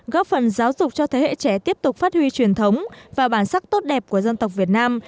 góp phần giáo dục cho thế hệ trẻ tiếp tục phát huy truyền thống và bản sắc tốt đẹp của dân tộc việt nam